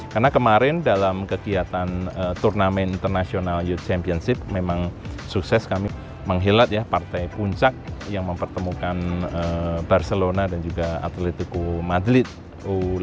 karena kemarin dalam kegiatan turnamen international youth championship memang sukses kami menghilat partai puncak yang mempertemukan barcelona dan juga atletico madrid u delapan belas